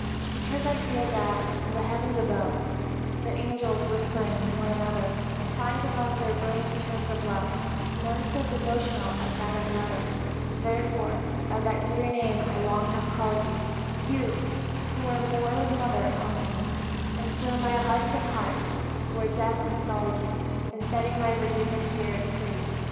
Because I feel that, in the Heavens above, The angels, whispering to one another, Can find, among their burning terms of love, None so devotional as that of "Mother," Therefore by that dear name I long have called you You who are more than mother unto me, And fill my heart of hearts, where Death installed you, In setting my Virginia's spirit free.